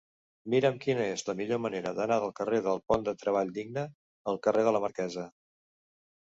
Mira'm quina és la millor manera d'anar del carrer del Pont del Treball Digne al carrer de la Marquesa.